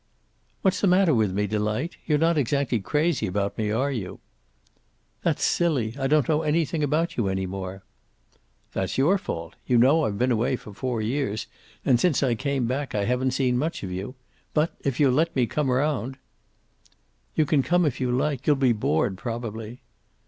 "What's the matter with me, Delight? You're not exactly crazy about me, are you?" "That's silly. I don't know anything about you any more." "That's your fault. You know I've been away for four years, and since I came back I haven't seen much of you. But, if you'll let me come round " "You can come if you like. You'll be bored, probably."